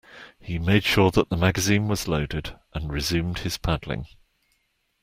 He made sure that the magazine was loaded, and resumed his paddling.